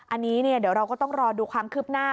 อันนี้เดี๋ยวเราก็ต้องรอดูความคืบหน้า